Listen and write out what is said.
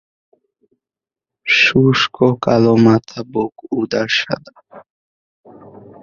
শুঙ্গ কালো, মাথা, বুক, উদর সাদা।